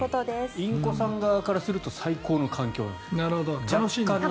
インコさん側からすると最高の環境なんですよ。